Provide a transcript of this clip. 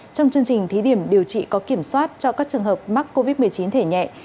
trong chương trình thí điểm điều trị có kiểm soát cho các trường hợp mắc covid một mươi chín thể nhẹ